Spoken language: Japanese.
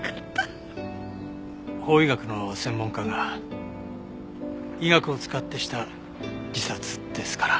法医学の専門家が医学を使ってした自殺ですから。